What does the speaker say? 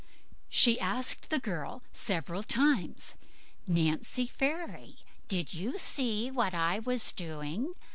She asked the girl several times, "Nancy Fairy, did you see what I was doing?"